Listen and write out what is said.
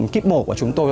kíp mổ của chúng tôi